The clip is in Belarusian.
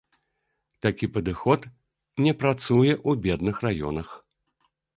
Такі падыход не працуе ў бедных раёнах.